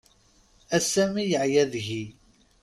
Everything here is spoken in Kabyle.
Ass-a mi yeɛya deg-i.